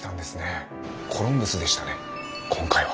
コロンブスでしたね今回は。